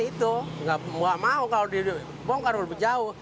ya tanggapannya itu nggak mau kalau dibongkar lebih jauh